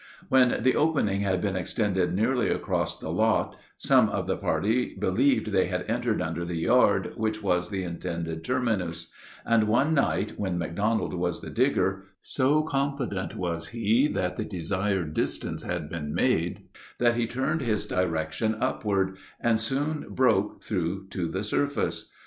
When the opening had been extended nearly across the lot, some of the party believed they had entered under the yard which was the intended terminus; and one night, when McDonald was the digger, so confident was he that the desired distance had been made, that he turned his direction upward, and soon broke through to the surface.